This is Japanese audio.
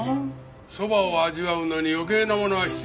そばを味わうのに余計なものは必要ない！